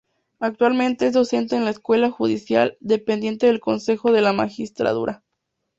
Actualmente es docente en la Escuela Judicial, dependiente del Consejo de la Magistratura.